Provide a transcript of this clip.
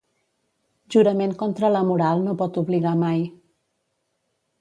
Jurament contra la moral no pot obligar mai.